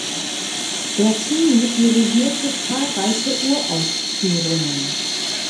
Bertini dirigierte zahlreiche Uraufführungen.